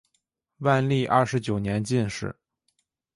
万历二十九年进士。